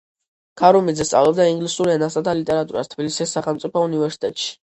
ქარუმიძე სწავლობდა ინგლისურ ენასა და ლიტერატურას, თბილისის სახელმწიფო უნივერსიტეტში.